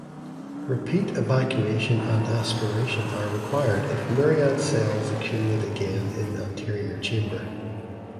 Repeat evacuation and aspiration are required if myriad cells accumulate again in anterior chamber.